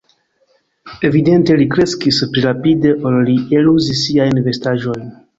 Evidente li kreskis pli rapide, ol li eluzis siajn vestaĵojn.